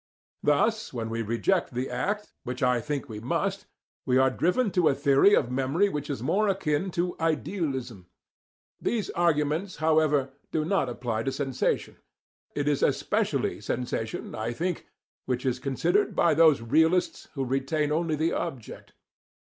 Thus, when we reject the act, which I think we must, we are driven to a theory of memory which is more akin to idealism. These arguments, however, do not apply to sensation. It is especially sensation, I think, which is considered by those realists who retain only the object.